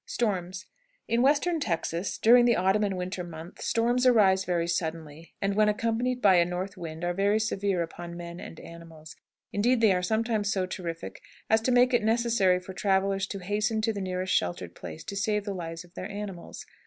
STORMS. In Western Texas, during the autumn and winter months, storms arise very suddenly, and, when accompanied by a north wind, are very severe upon men and animals; indeed, they are sometimes so terrific as to make it necessary for travelers to hasten to the nearest sheltered place to save the lives of their animals.